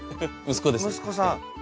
息子さん。